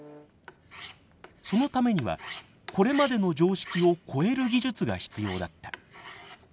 そのためにはこれまでの常識を超える技術が必要だった。